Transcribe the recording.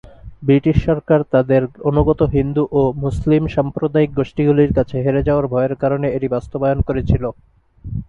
British সরকার তাদের অনুগত হিন্দু ও মুসলিম সাম্প্রদায়িক গোষ্ঠীগুলির কাছে হেরে যাওয়ার ভয়ের কারণে এটি বাস্তবায়ন করেছিল।